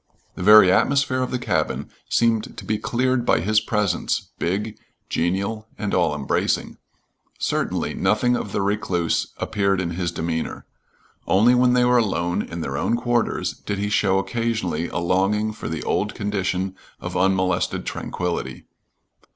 The very atmosphere of the cabin seemed to be cleared by his presence, big, genial, and all embracing. Certainly nothing of the recluse appeared in his demeanor. Only when they were alone in their own quarters did he show occasionally a longing for the old condition of unmolested tranquillity.